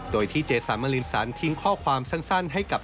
โดยที่เจสันมารินสันทิ้งข้อความสั้นให้กับ